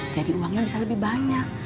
jadi uangnya bisa lebih banyak